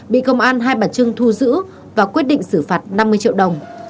bị công an hai bà trưng thu giữ và quyết định xử phạt năm mươi triệu đồng